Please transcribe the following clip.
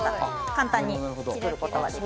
簡単に作る事ができます。